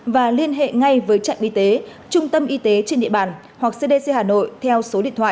và liên hệ ngay với trạm y tế trung tâm y tế trên địa bàn hoặc cdc hà nội theo số điện thoại